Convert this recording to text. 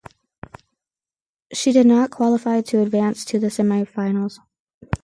She did not qualify to advance to the semifinals.